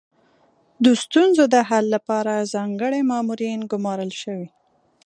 د ستونزو د حل لپاره ځانګړي مامورین ګمارل شوي.